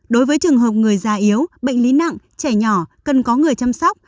đối với trường hợp người già yếu bệnh lý nặng trẻ nhỏ cần có người chăm sóc